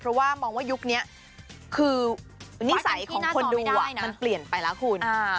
เพราะว่ามองว่ายุคนี้คือนิสัยของคนดูมันเปลี่ยนไปแล้วคุณ